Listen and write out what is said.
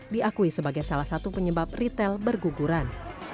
diakui sebagai salah satu penyebab retail berguguran